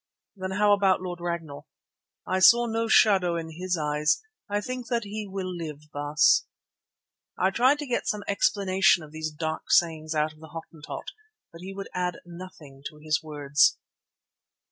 "Then how about Lord Ragnall?" "I saw no shadow in his eyes; I think that he will live, Baas." I tried to get some explanation of these dark sayings out of the Hottentot, but he would add nothing to his words.